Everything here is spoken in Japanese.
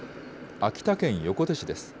秋田県横手市です。